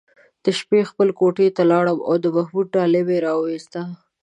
د شپې خپلې کوټې ته لاړم او د محمود ډالۍ مې راوویسته.